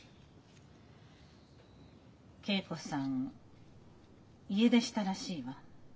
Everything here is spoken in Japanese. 桂子さん家出したらしいわ。